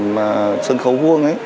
mà sân khấu vuông ấy